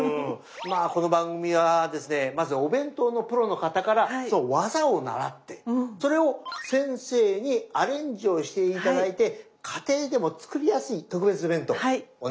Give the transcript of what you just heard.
まあこの番組はですねまずお弁当のプロの方からその技を習ってそれを先生にアレンジをして頂いて家庭でも作りやすい特別弁当お願いしますね。